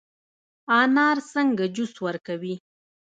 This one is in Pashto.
انار څنګه جوس ورکوي؟